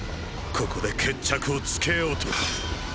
ここで決着をつけようと。